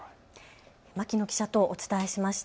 牧野記者とお伝えしました。